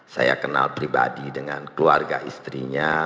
saya kenal pribadi dengan keluarga istrinya